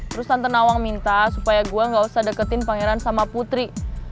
terus santan awang minta supaya gue gak usah deketin pangeran sama putri